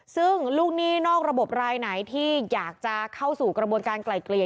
ซึ่งลูกหนี้นอกระบบรายไหนที่อยากจะเข้าสู่กระบวนการไกล่เกลี่ย